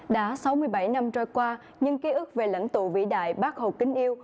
đã sáu mươi bảy năm trôi qua những ký ức về lãnh tụ vĩ đại bắc hồ kính yêu